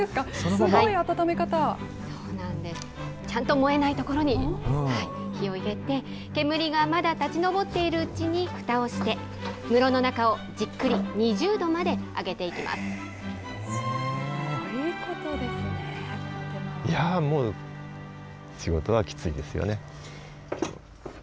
ちゃんと燃えない所に火を入れて、煙がまだ立ち上っているうちに、ふたをして室の中をじっくり２０度まで上げていきます。